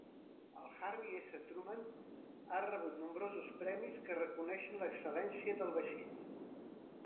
El Harry S Truman ha rebut nombrosos premis que reconeixen l'excel·lència del vaixell.